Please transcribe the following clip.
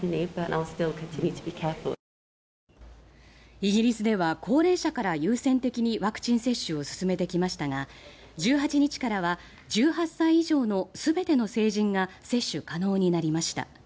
イギリスでは高齢者から優先的にワクチン接種を進めてきましたが１８日からは１８歳以上の全ての成人が接種可能になりました。